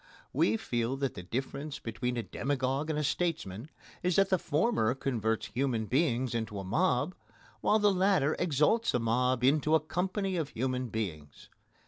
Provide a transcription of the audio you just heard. We feel that the difference between a demagogue and a statesman is that the former converts human beings into a mob, while the latter exalts a mob into a company of human beings.